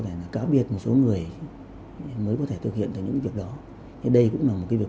thể là cáo biệt một số người mới có thể thực hiện được những việc đó thế đây cũng là một cái việc